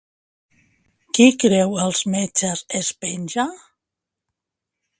Qui creu els metges es penja.